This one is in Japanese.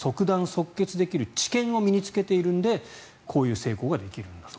即決できる知見を身に着けているのでこういう成功ができるんだと。